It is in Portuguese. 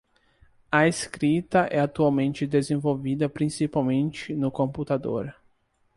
A escrita é atualmente desenvolvida principalmente no computador.